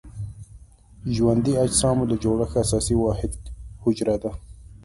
ژوندي اجسامو د جوړښت اساسي واحد حجره ده.